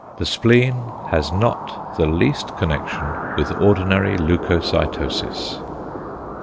=The spleen has not the least connection with ordinary leucocytosis.